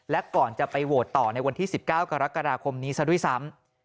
และก่อนจะไปโหวตต่อในวันที่๑๙กรกฎาคมนี้ซะด้วยซ้ำ